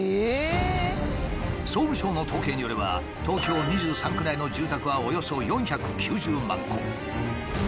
総務省の統計によれば東京２３区内の住宅はおよそ４９０万戸。